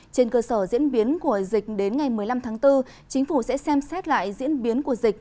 trên cơ sở diễn biến của dịch đến ngày một mươi năm tháng bốn chính phủ sẽ xem xét lại diễn biến của dịch